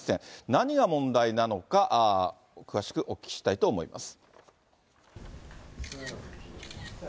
何が問題なのか、詳しくお聞きしたいと思います。